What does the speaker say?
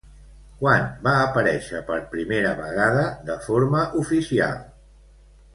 Quan va aparèixer per primera vegada de forma oficial?